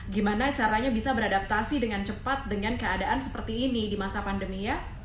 gimana caranya bisa beradaptasi dengan cepat dengan keadaan seperti ini di masa pandemi ya